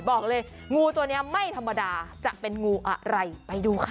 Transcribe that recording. บอกเลยงูตัวนี้ไม่ธรรมดาจะเป็นงูอะไรไปดูค่ะ